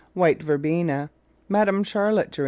White Verbena. Madame Charlotte Ger.